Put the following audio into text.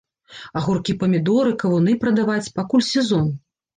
Агуркі-памідоры, кавуны прадаваць, пакуль сезон.